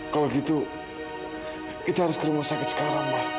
kalau gitu kita harus ke rumah sakit sekarang